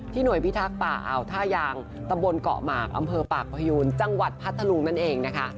หน่วยพิทักษ์ป่าอ่าวท่ายางตำบลเกาะหมากอำเภอปากพยูนจังหวัดพัทธลุงนั่นเองนะคะ